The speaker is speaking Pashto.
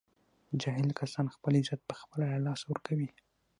جاهل کسان خپل عزت په خپله له لاسه ور کوي